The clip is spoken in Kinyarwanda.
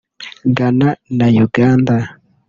Ghana na Uganda